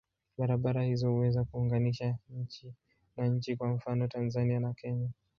Barabara hizo huweza kuunganisha nchi na nchi, kwa mfano Tanzania na Kenya.